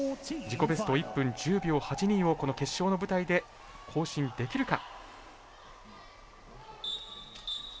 自己ベスト１分１０秒８２をこの決勝の舞台で更新できるか。